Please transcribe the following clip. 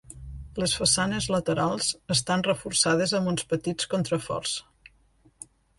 Les façanes laterals estan reforçades amb uns petits contraforts.